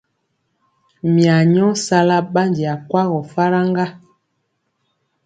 Mya nyɔ sala ɓandi akwagɔ falk ŋga.